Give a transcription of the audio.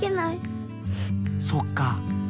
そっか。